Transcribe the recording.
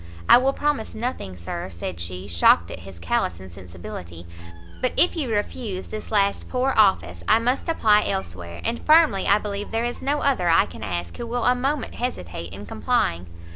"I will promise nothing, Sir," said she, shocked at his callous insensibility; "but if you refuse this last poor office, I must apply elsewhere; and firmly I believe there is no other I can ask who will a moment hesitate in complying."